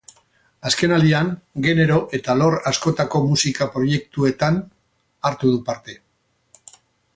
Azkenaldian, genero eta alor askotako musika proiektuetan hartu du parte.